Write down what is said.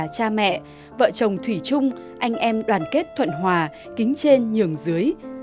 cha mẹ vợ chồng thủy chung anh em đoàn kết thuận hòa kính trên nhường dưới